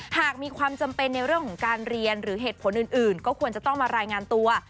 หากมีความจำเป็นในเรื่องของการเรียนหรือเหตุผลอื่นก็ควรจะต้องมารายงานตัว